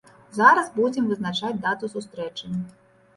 Зараз будзем вызначаць дату сустрэчы.